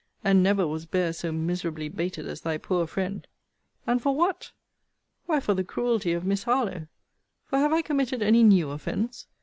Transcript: And never was bear so miserably baited as thy poor friend! And for what? why for the cruelty of Miss Harlowe: For have I committed any new offence?